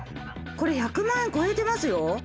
これ１００万超えてますよ。